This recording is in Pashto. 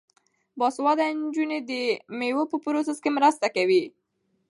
باسواده نجونې د میوو په پروسس کې مرسته کوي.